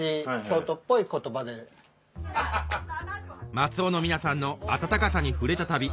松尾の皆さんの温かさに触れた旅